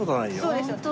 そうですよ。